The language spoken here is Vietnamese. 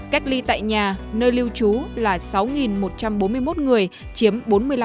cách ly tại nhà nơi lưu trú là sáu một trăm bốn mươi một người chiếm bốn mươi năm